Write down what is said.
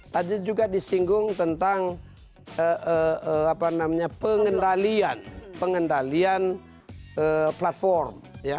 tadi juga disinggung tentang pengendalian platform